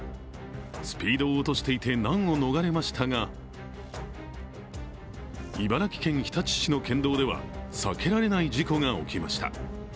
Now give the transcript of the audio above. スピードを落としていて難を逃れましたが茨城県日立市の県道では避けられない事故が起きました。